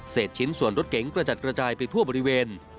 ชิ้นส่วนรถเก๋งกระจัดกระจายไปทั่วบริเวณ